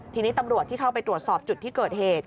ทีนี้ตำรวจที่เข้าไปตรวจสอบจุดที่เกิดเหตุ